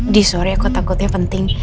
d sorry aku takutnya penting